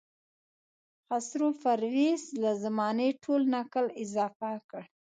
خسرو پرویز له زمانې ټول نکل اضافه کړ.